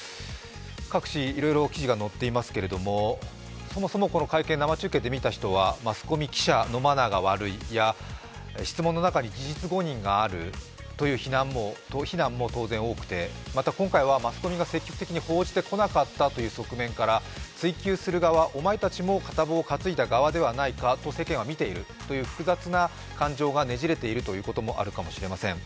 各紙いろいろ記事が載っていますけれどマスコミ記者のマナーが悪いや質問の中に事実誤認があるという非難も当然多くてまた今回はマスコミが報じてこなかったという側面から、お前たちも片棒を担いだ側ではないかという世間は見ているという複雑な感情が、ねじれているということもあるかもしれません。